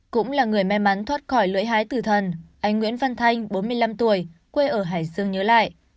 cũng là người may mắn thoát khỏi lưỡi hái tử thần anh nguyễn văn thanh bốn mươi năm tuổi quê ở hải dương nhớ lại